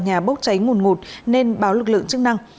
tòa nhà bốc cháy mùn ngụt nên báo lực lượng chức năng